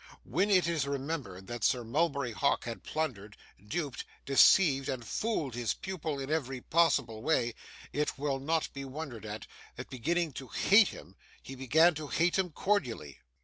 When it is remembered that Sir Mulberry Hawk had plundered, duped, deceived, and fooled his pupil in every possible way, it will not be wondered at, that, beginning to hate him, he began to hate him cordially.